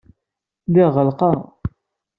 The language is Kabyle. Lliɣ ɣelqeɣ.